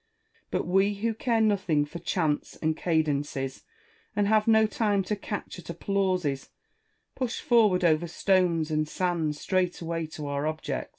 But we who care nothing for chants and cadences, and have no time to catch at applauses, push forward over stones and sands straightway to our object.